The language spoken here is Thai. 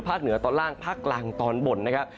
เหนือตอนล่างภาคกลางตอนบนนะครับ